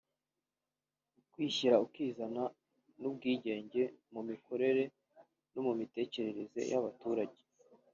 ukwishyira ukizana n’ubwigenge mu mikorere no mu mitekerereze y’abaturage